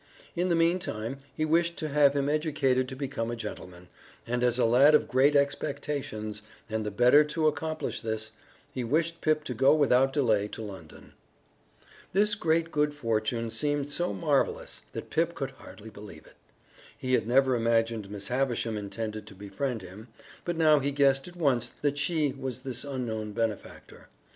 In the meantime he wished to have him educated to become a gentleman, and as a lad of Great Expectations, and, the better to accomplish this, he wished Pip to go without delay to London. This great good fortune seemed so marvelous that Pip could hardly believe it. He had never imagined Miss Havisham intended to befriend him, but now he guessed at once that she was this unknown benefactor.